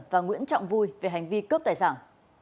và nguyễn trọng vui về hành vi cướp tài sản